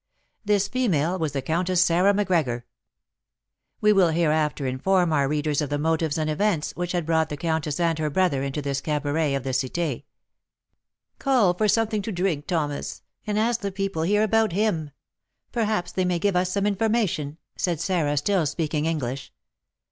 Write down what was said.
This female was the Countess Sarah Macgregor. We will hereafter inform our readers of the motives and events which had brought the countess and her brother into this cabaret of the Cité. "Call for something to drink, Thomas, and ask the people here about him; perhaps they may give us some information," said Sarah, still speaking English.